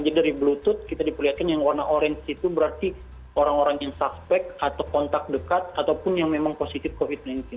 jadi dari bluetooth kita diperlihatkan yang warna orange itu berarti orang orang yang suspek atau kontak dekat ataupun yang memang positif covid sembilan belas